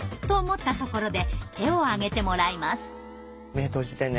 目閉じてね。